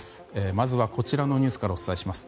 まずは、こちらのニュースからお伝えします。